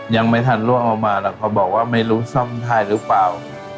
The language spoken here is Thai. ยังไม่ทันร่วมมาแล้วเขาบอกว่าไม่รู้ซ่อมท่ายหรือเปล่า